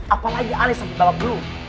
apalagi kalian sampai bawa belum